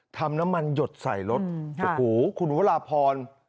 ทำน้ำมันหยดใส่รถโอ้โหคุณวราพร